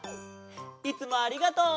いつもありがとう！